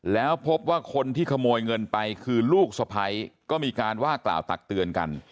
แล้วพบว่าคนที่ขโมยเงินไปคือลูกสะพ้ายก็มีการว่ากล่าวตักเตือนกัน